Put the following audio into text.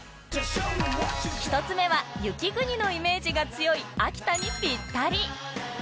１つ目は雪国のイメージが強い秋田にピッタリ